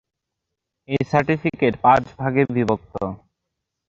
এই সার্টিফিকেট পাঁচ ভাগে বিভক্ত।